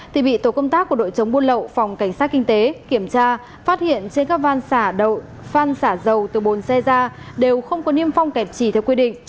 thì bị tổ công tác của đội chống buôn lậu phòng cảnh sát kinh tế kiểm tra phát hiện trên các van xả phan xả dầu từ bồn xe ra đều không có niêm phong kẹp trì theo quy định